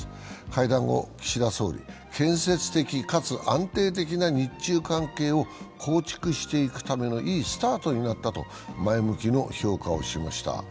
会談後、岸田総理、建設的かつ安定的な日中関係を構築していくためのいいスタートになったと前向きの評価をしました。